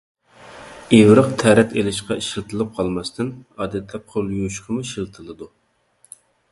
ئىۋرىق تەرەت ئېلىشقا ئىشلىتىلىپ قالماستىن، ئادەتتە قول يۇيۇشقىمۇ ئىشلىتىلىدۇ.